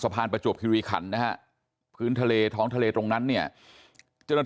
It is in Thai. สะพานประจวบคิรวิคันนะฮะพื้นทะเลท้องทะเลตรงนั้นเนี่ยจะนัด